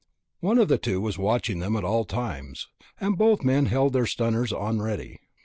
One of the two was watching them at all times, and both men held their stunners on ready.